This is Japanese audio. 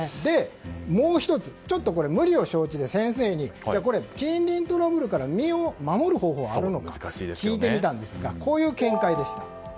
もう１つ、ちょっとこれ無理を承知で先生に近隣トラブルから身を守る方法はあるのか聞いてみたんですがこういう見解でした。